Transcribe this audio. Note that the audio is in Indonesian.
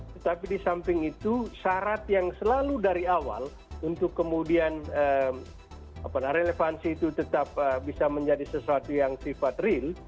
tetapi di samping itu syarat yang selalu dari awal untuk kemudian relevansi itu tetap bisa menjadi sesuatu yang sifat real